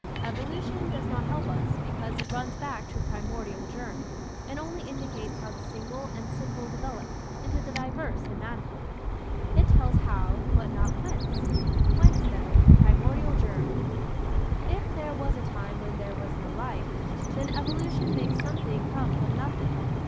Evolution does not help us, be cause it runs back to a primordial germ, and only indicates how the single and simple de velop into the diverse and manifold. It tells How, but not Whence. Whence, then, the primordial germ? If there was a time when there was no life, then evolution makes some thing come from nothing.